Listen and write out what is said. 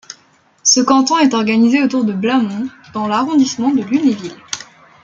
Ce canton est organisé autour de Blâmont dans l'arrondissement de Lunéville.